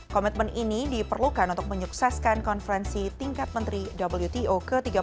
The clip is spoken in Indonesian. komitmen ini diperlukan untuk menyukseskan konferensi tingkat menteri wto ke tiga puluh satu